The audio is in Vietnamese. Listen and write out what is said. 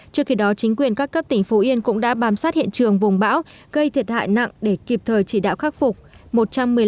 trước khi đó chính quyền các cấp tỉnh phú yên cũng đã bám sát hiện trường vùng bão gây thiệt hại nặng để kịp thời chỉ đạo khắc phục